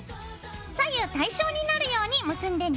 左右対称になるように結んでね。